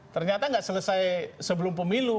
ternyata nggak selesai sebelum pemilu